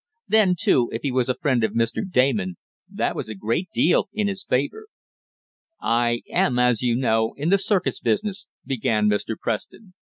Then too, if he was a friend of Mr. Damon, that was a great deal in his favor. "I am, as you know, in the circus business," began Mr. Preston.